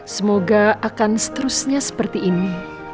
semoga akan seterusnya seperti ini